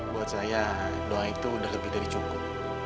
buat saya doa itu udah lebih dari cukup